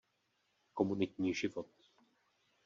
Komunitní život.